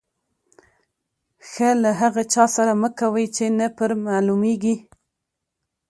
ښه له هغه چا سره مه کوئ، چي نه پر معلومېږي.